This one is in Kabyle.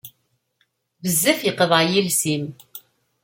Bezzaf yeqḍeɛ yiles-im.